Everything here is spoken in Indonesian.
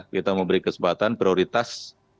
kita memberi kesempatan prioritas